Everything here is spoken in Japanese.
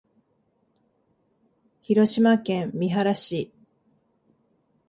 広島県三原市